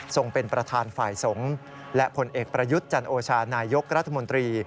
เป็นประธานฝ่ายสงฆ์และผลเอกประยุทธ์จันโอชานายกรัฐมนตรี